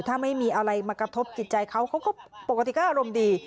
ถ้าไม่มีอะไรมากระทบจิตใจเขาเขาก็ปกติก็อารมณ์ดี